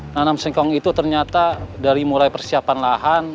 tanam singkong itu ternyata dari mulai persiapan lahan